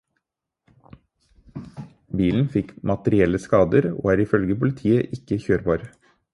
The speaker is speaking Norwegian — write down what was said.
Bilen fikk materielle skader og er ifølge politiet ikke kjørbar.